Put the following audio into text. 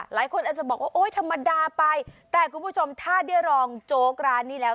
หลายคนอาจจะบอกว่าโอ๊ยธรรมดาไปแต่คุณผู้ชมถ้าได้รองโจ๊กร้านนี้แล้ว